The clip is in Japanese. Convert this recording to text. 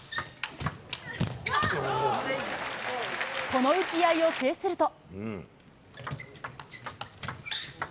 この打ち合いを制すると。